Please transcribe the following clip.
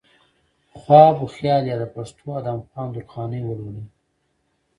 خواب وخيال يا د پښتو ادم خان و درخانۍ ولولئ